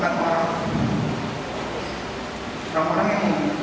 kita melakukan orang orang yang mempunyai